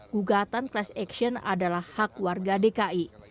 gugatan class action adalah hak warga dki